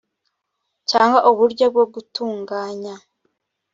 cyangwa uburyo bwo gutunganya